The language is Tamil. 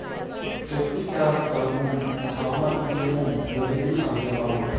கெட்டிக்காரத்தனமும் சாமர்த்தியமும் எளிதில் அடையலாம்.